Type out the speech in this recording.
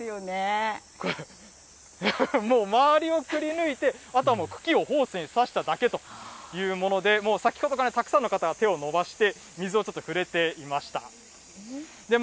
もう周りをくりぬいて、あとはもう、茎をホースにさしただけというもので、もう先ほどからたくさんの方が手を伸ばして、水をちょっと触れていました。